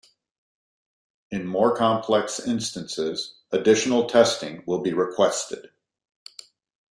In more complex instances, additional testing will be requested.